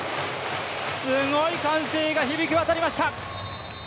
すごい歓声が響き渡りました。